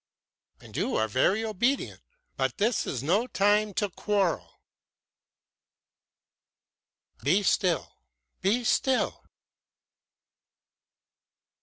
"And you are very obedient! But this is no time to quarrel." "Be still! Be still!"